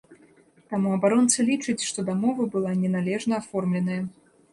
Таму абаронца лічыць, што дамова была неналежна аформленая.